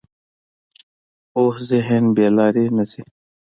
پوخ ذهن بې لارې نه ځي